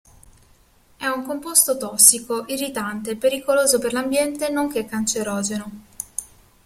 È un composto tossico, irritante, pericoloso per l'ambiente nonché cancerogeno.